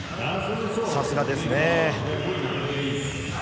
さすがですね。